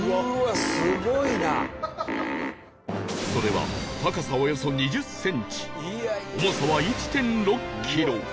それは高さおよそ２０センチ重さは １．６ キロ